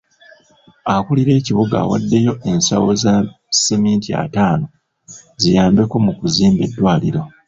Akuulira ekibuga awaddeyo ensawo za seminti ataano ziyambeko mu kuzimba eddwaliro .